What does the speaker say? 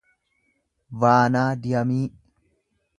vaanaadiyamii